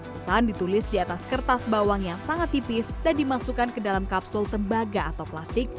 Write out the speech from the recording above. pesan ditulis di atas kertas bawang yang sangat tipis dan dimasukkan ke dalam kapsul tembaga atau plastik